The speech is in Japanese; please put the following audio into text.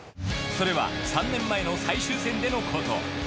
それは３年前の最終戦でのこと。